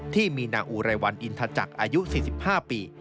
ที่มีนางอุไรวันอินทจักรอายุ๔๕ปี